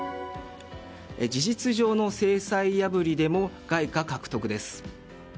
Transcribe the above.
事実上の制裁破りでも外貨獲得です。